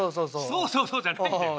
そうそうそうじゃないんだよ。